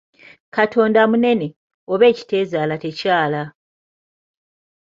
Katonda munene; oba ekiteezaala tekyala!